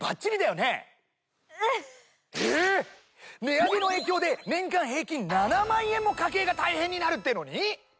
値上げの影響で年間平均７万円も家計が大変になるっていうのに？